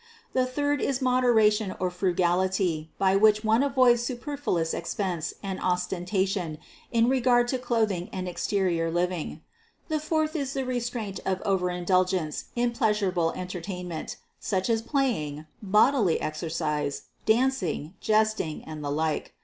The third is moderation or frugality, by which one avoids superfluous expense and ostentation in regard to clothing and exterior living; the fourth is the restraint of overindulgence in pleasurable entertainment, such as playing, bodily exer cise, dancing, jesting and the like.